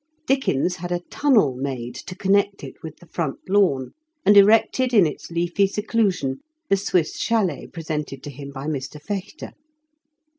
Dickens had a tunnel made to connect it with the front lawn, and erected in its leafy seclusion the Swiss chdlet presented to him by Mr. Fechter.